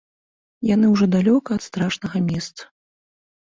Яны ўжо далёка ад страшнага месца.